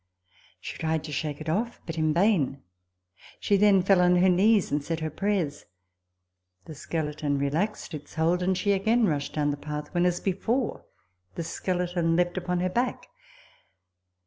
She tried to shake it off ; but in vain. She then fell on her knees, and said her prayers. The skeleton relaxed its hold ; and she again rushed down the path, when, as before, the skeleton leapt upon her back.